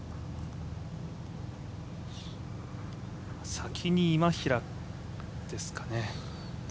先に今平ですかね。